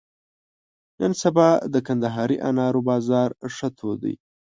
نن سبا د کندهاري انارو بازار ښه تود دی.